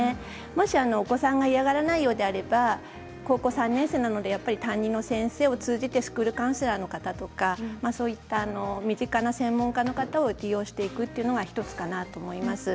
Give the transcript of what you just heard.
もし、お子さんが嫌がらないようであれば高校３年生なので担任の先生を通じてスクールカウンセラーの方とかそういった身近な専門家の方を利用していくというのが１つかなと思います。